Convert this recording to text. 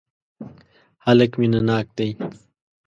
هلک مینه ناک دی.